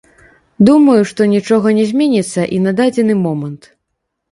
Думаю, што нічога не зменіцца і на дадзены момант.